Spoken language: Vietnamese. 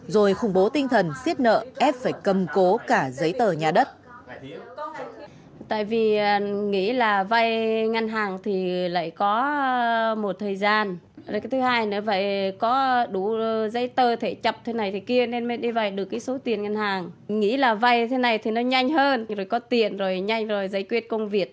rồi khủng bố tinh thần xiết nợ ép phải cầm cố cả giấy tờ nhà đất